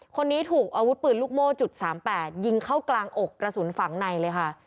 คนนี้ถูกอาวุธปืนลูกโม่จุด๓๘ยิงเข้ากลางอกกระสุนฝังในเลยค่ะ